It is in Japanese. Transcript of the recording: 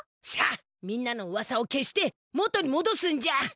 さあみんなのうわさを消して元にもどすんじゃ。